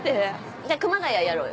じゃあ熊谷やろうよ。